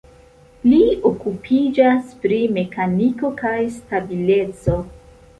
Li okupiĝas pri mekaniko kaj stabileco.